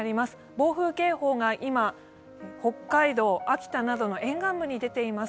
暴風警報が今、北海道、秋田などの沿岸部に出ています。